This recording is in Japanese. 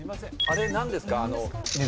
あれ何ですか？